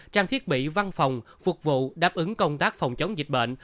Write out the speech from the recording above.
trang thiết bị văn phòng phục vụ đáp ứng công tác phòng chống dịch bệnh